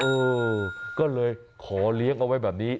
เออก็เลยขอเลี้ยงเอาไว้แบบนี้